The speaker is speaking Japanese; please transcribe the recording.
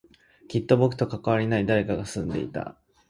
きっと僕と関わりのない誰かが住んでいた